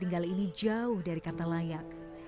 tinggal ini jauh dari kata layak